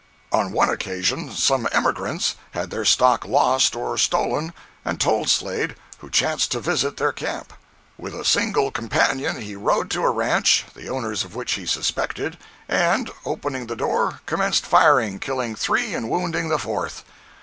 On one occasion some emigrants had their stock lost or stolen, and told Slade, who chanced to visit their camp. With a single companion he rode to a ranch, the owners of which he suspected, and opening the door, commenced firing, killing three, and wounding the fourth.